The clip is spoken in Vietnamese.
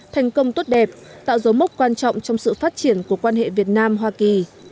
thành công tốt đẹp tạo dấu mốc quan trọng trong sự phát triển của quan hệ việt nam hoa kỳ